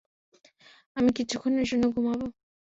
আমি কিছুক্ষণের জন্য ঘুমাবো।